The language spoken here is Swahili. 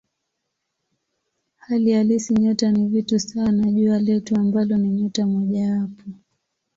Hali halisi nyota ni vitu sawa na Jua letu ambalo ni nyota mojawapo.